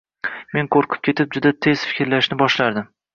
Men qoʻrqib ketib, juda tez fikrlashni boshlardim: